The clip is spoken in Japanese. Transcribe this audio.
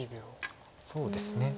そうですね。